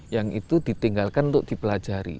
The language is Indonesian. yang itu ditinggalkan untuk dipelajari